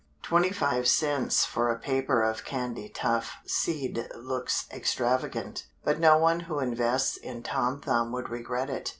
Twenty five cents for a paper of Candytuft seed looks extravagant, but no one who invests in Tom Thumb would regret it.